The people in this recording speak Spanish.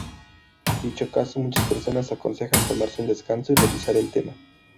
En dicho caso, muchas personas aconsejan tomarse un descanso y revisar el tema.